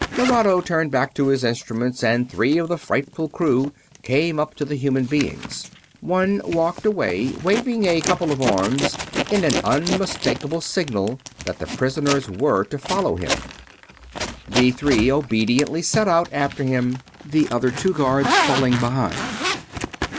Nerado turned back to his instruments and three of the frightful crew came up to the human beings. One walked away, waving a couple of arms in an unmistakable signal that the prisoners were to follow him. The three obediently set out after him, the other two guards falling behind.